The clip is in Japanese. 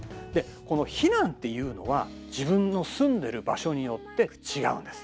この避難っていうのは自分の住んでる場所によって違うんです。